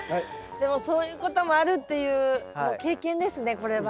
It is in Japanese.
でもそういうこともあるっていうもう経験ですねこれは。